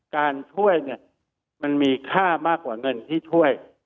การช่วยเนี่ยมันมีค่ามากกว่าเงินที่ช่วย